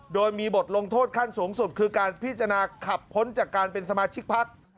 โดยมีบทลงโทษขั้นสูงสุดคือการพิจารณาขับพ้นจากการเป็นสมาชิกพัก